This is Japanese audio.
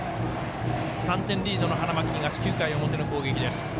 ３点リードの花巻東９回表の攻撃です。